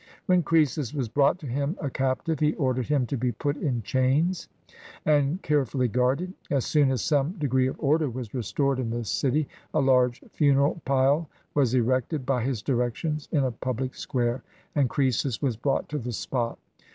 When Croesus was brought to him a captive, he ordered him to be put in chains, and care fully guarded. As soon as some degree of order was restored in the city, a large funeral pile was erected, by his directions, in a public square, and Croesus was brought to the spot.